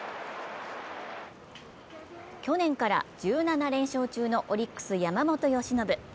去年から１７連勝中のオリックス・山本由伸。